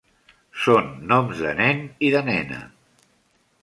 Són noms de nen i de nena.